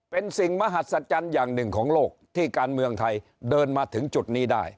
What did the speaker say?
เป็นสิ่งมหัศจรรย์อย่างหนึ่งของโลกที่การเมืองไทยเดินมาถึงจุดนี้ได้